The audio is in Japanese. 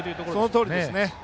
そのとおりですね。